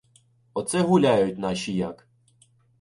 Оце гуляють наші як!